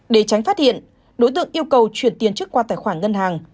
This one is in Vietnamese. để tránh phát hiện đối tượng yêu cầu chuyển tiền chức qua tài khoản ngân hàng